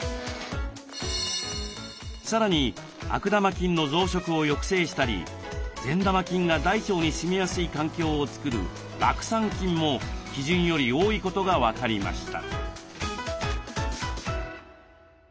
さらに悪玉菌の増殖を抑制したり善玉菌が大腸にすみやすい環境を作る酪酸菌も基準より多いことが分かりました。